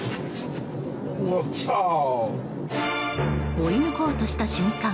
追い抜こうとした瞬間